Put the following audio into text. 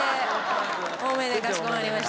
多めでかしこまりました。